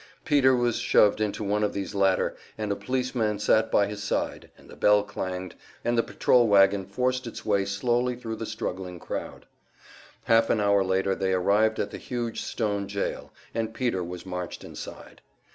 Peter was shoved into one of these latter, and a policeman sat by his side, and the bell clanged, and the patrol wagon forced its way slowly thru the struggling crowd. Half an hour later they arrived at the huge stone jail, and Peter was marched inside.